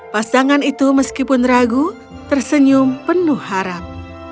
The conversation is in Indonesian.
pasangan itu meskipun ragu tersenyum penuh harap